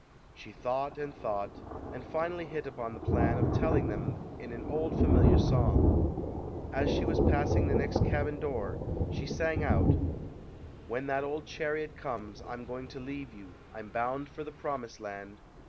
She thought and thought, and finally hit upon the plan of telling them in an old familiar song. As she was passing the next cabin door she sang out : When that old chariot comes, I'm going to leave you; I'm bound for the promised land.